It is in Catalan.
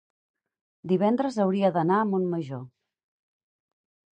divendres hauria d'anar a Montmajor.